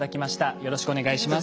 よろしくお願いします。